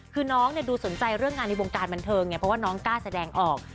คือน้องดูสนใจเรื่องงานในวงการบันเทิงไงเพราะว่าน้องกล้าแสดงออก